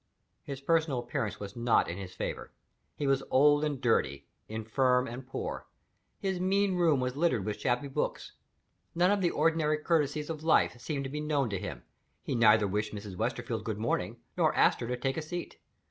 His personal appearance was not in his favor he was old and dirty, infirm and poor. His mean room was littered with shabby books. None of the ordinary courtesies of life seemed to be known to him; he neither wished Mrs. Westerfield good morning nor asked her to take a seat.